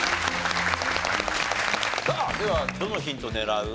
さあではどのヒント狙う？